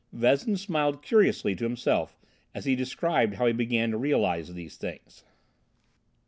Vezin smiled curiously to himself as he described how he began to realize these things.